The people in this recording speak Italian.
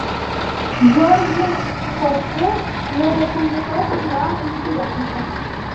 Georges Coste lo convocò per la in Sudafrica.